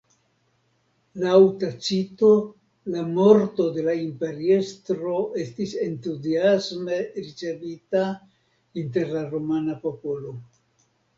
Laŭ Tacito la morto de la imperiestro estis entuziasme ricevita inter la romana popolo.